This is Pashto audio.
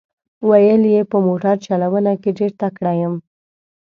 ویل یې په موټر چلونه کې ډېر تکړه یم.